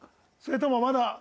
それともまだ。